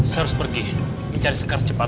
saya juga telfon ke rumah tidak ada yang jawab